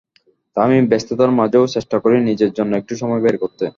তাই আমি ব্যস্ততার মাঝেও চেষ্টা করি নিজের জন্য একটু সময় বের করতে।